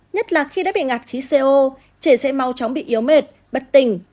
nhất là khi đã bị ngạt khí co trẻ sẽ mau chóng bị yếu mệt bất tỉnh